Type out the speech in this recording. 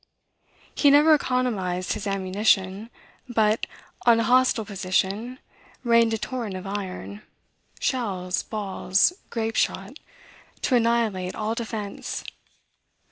He never economized his ammunition, but, on a hostile position, rained a torrent of iron, shells, balls, grape shot, to annihilate all defense.